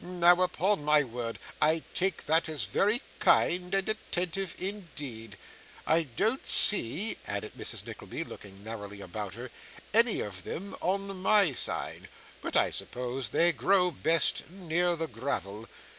Now, upon my word, I take that as very kind and attentive indeed! I don't see,' added Mrs. Nickleby, looking narrowly about her, 'any of them on my side, but I suppose they grow best near the gravel.